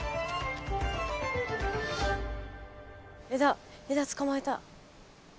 枝枝つかまえた！